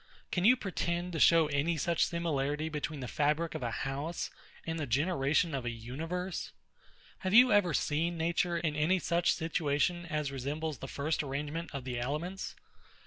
Can you pretend to show any such similarity between the fabric of a house, and the generation of a universe? Have you ever seen nature in any such situation as resembles the first arrangement of the elements?